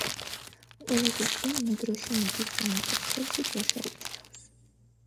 ყველაზე წინ მედროშე მიდის, რომელსაც ხელში დროშა უჭირავს.